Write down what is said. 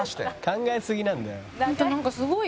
「考えすぎなんだよ」